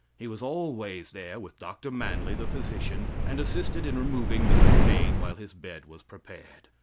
He was always there with Dr. Manly, the physician, and assisted in removing Mr. Paine while his bed was prepared.